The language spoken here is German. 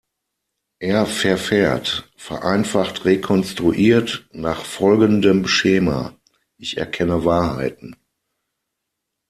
Er verfährt, vereinfacht rekonstruiert, nach folgendem Schema: Ich erkenne Wahrheiten.